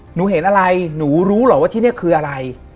หนูเห็นอะไรหนูรู้เหรอว่าที่นี่คืออะไร